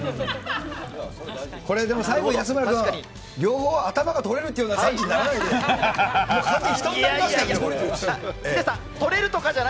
これでも、最後に安村君、両方頭が取れるというような惨事にならないかな。